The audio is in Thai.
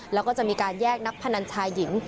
แล้วก็จะมีการแยกนักพนันชายหญิง